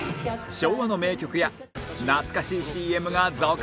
昭和の名曲や懐かしい ＣＭ が続々登場！